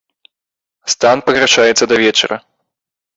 Стан пагаршаецца да вечара.